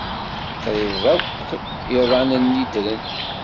Qrib akk iḍan-nni ddren.